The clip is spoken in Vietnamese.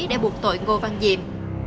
để buộc tội ngô văn diệm